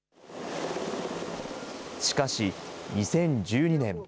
しかし、２０１２年。